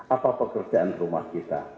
apa pekerjaan rumah kita